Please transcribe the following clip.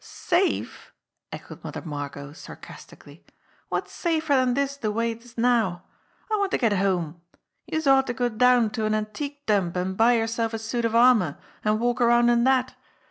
"Safe!" echoed Mother Margot sarcastically. "Wot's safer dan dis de way it is now ? I wanter get home. Youse ought to go down to an antique dump an' buy yerself a suit of armour, an' walk around in dat.